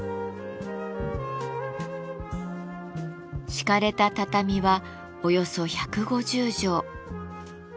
敷かれた畳はおよそ１５０畳。